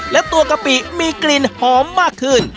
และตัวกะปิมีกลิ่นหอมมากขึ้น